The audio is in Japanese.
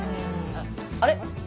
あれ？